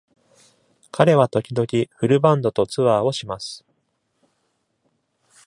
彼は時々フルバンドとツアーをします。